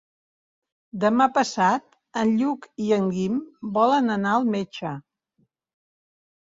Demà passat en Lluc i en Guim volen anar al metge.